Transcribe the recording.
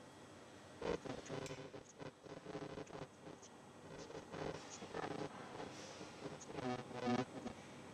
该组织致力于塞浦路斯的统一以及塞浦路斯希腊人和塞浦路斯土耳其人的和解。